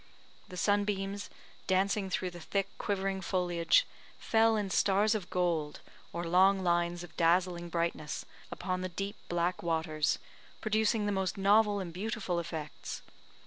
The sunbeams, dancing through the thick, quivering foliage, fell in stars of gold, or long lines of dazzling brightness, upon the deep black waters, producing the most novel and beautiful effects.